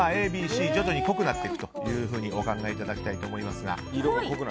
Ａ、Ｂ、Ｃと徐々に濃くなっていくとお考えいただきたいと思いますが。